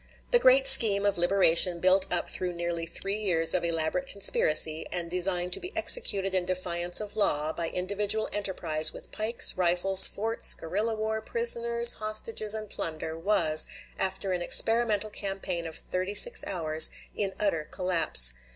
The great scheme of liberation built up through nearly three years of elaborate conspiracy, and designed to be executed in defiance of law, by individual enterprise with pikes, rifles, forts, guerrilla war, prisoners, hostages, and plunder, was, after an experimental campaign of thirty six hours, in utter collapse.